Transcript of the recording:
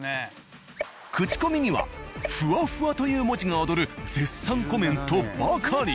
口コミには「フワフワ」という文字が躍る絶賛コメントばかり。